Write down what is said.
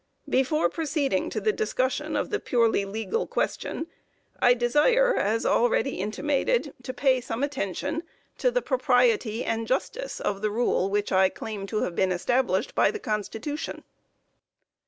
Before proceeding to the discussion of the purely legal question, I desire, as already intimated, to pay some attention to the propriety and justice of the rule which I claim to have been established by the Constitution.